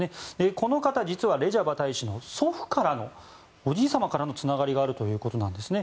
この方、実はレジャバ大使のおじい様からのつながりがあるということなんですね。